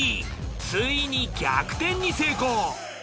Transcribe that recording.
ついに逆転に成功。